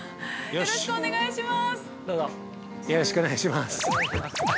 よろしくお願いします。